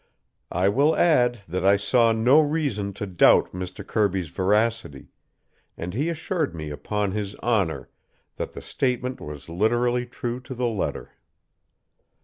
I will add, that I saw no reason to doubt Mr. Kirby's veracity, and he assured me upon his honor that the statement was literally true to the letter.